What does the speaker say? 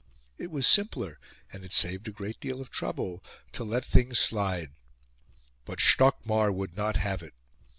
It was simpler, and it saved a great deal of trouble, to let things slide. But Stockmar would not have it.